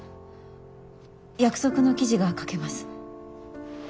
約束の記事が書けます。